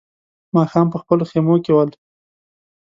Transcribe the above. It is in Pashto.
ماښام په خپلو خيمو کې ول.